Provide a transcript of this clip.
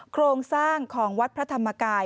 โครงสร้างของวัดพระธรรมกาย